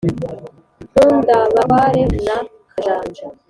nkundabatware na kajanja